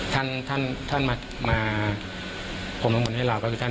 ท่านมาพรมนามมนต์ให้เราก็คือท่าน